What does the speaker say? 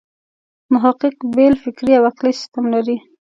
محقق بېل فکري او عقلي سیسټم لري.